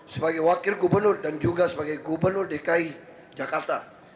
sebagai wakil gubernur dan juga sebagai gubernur dki jakarta